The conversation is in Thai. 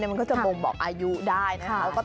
มันก็จะบ่งบอกอายุได้นะครับ